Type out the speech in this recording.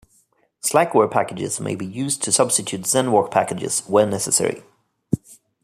Slackware packages may be used to substitute Zenwalk packages where necessary.